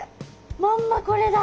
まんまこれだ。